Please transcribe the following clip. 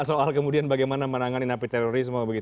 soal kemudian bagaimana menangani napi terorisme